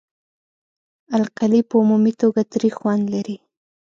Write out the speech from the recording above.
القلي په عمومي توګه تریخ خوند لري.